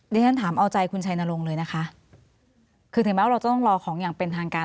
ที่ฉันถามเอาใจคุณชัยนรงค์เลยนะคะคือถึงแม้ว่าเราจะต้องรอของอย่างเป็นทางการ